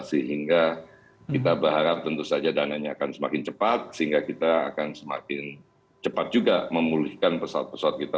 sehingga kita berharap tentu saja dananya akan semakin cepat sehingga kita akan semakin cepat juga memulihkan pesawat pesawat kita